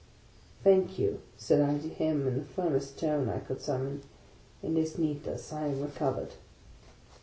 " Thank you," said I to him, in the firmest tone I could summon, " it is needless ; I am recovered."